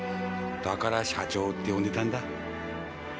だから社長って呼んでたんだ。